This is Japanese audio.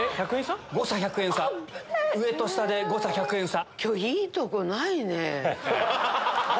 上と下で誤差１００円差。